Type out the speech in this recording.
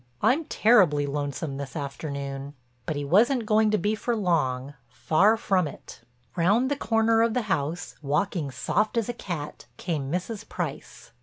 I'm terribly lonesome this afternoon." But he wasn't going to be long—far from it. Round the corner of the house, walking soft as a cat, came Mrs. Price.